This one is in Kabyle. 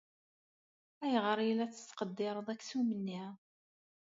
Ayɣer ay la tettqeddireḍ aksum-nni?